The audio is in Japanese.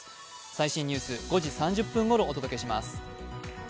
最新ニュース、５時３０分ごろお届けします。